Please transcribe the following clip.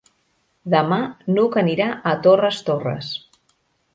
Demà n'Hug anirà a Torres Torres.